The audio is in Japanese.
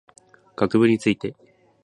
学部について